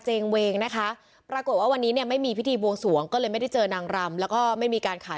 เจงเวงนะคะปรากฏว่าวันนี้เนี่ยไม่มีพิธีบวงสวงก็เลย